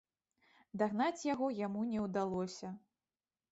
Дагнаць яго яму не ўдалося.